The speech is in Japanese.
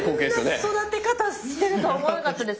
あんな育て方してるとは思わなかったです。